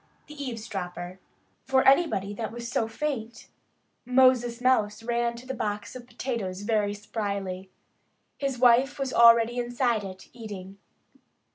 XVII THE EAVESDROPPER FOR ANYBODY that was so faint, Moses Mouse ran to the box of potatoes very spryly. His wife was already inside it, eating.